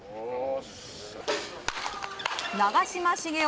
長嶋茂雄